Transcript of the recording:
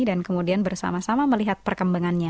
dan kemudian bersama sama melihat perkembangannya